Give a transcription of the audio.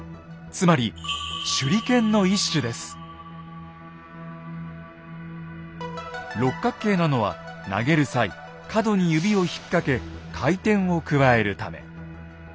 つまり六角形なのは投げる際角に指を引っ掛け回転を加えるため。